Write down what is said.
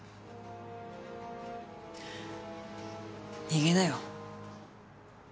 逃げなよ。